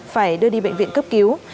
phải đưa đi bệnh viện cấp cứu